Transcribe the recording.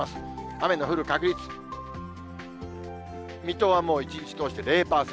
雨の降る確率、水戸はもう一日通して０％。